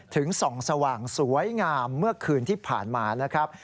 ส่องสว่างสวยงามเมื่อคืนที่ผ่านมานะครับ